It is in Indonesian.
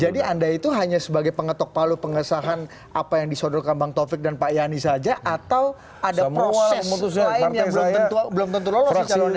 jadi anda itu hanya sebagai pengetok palu pengesahan apa yang disodorkan bang taufik dan pak yane saja atau ada proses lain yang belum tentu lolos sih calonnya bang taufik